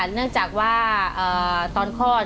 เนื่องจากว่าตอนคลอด